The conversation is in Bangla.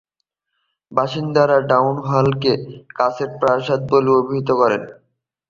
বাসিন্দারা টাউন হলকে " কাঁচের প্রাসাদ" বলে অভিহিত করে।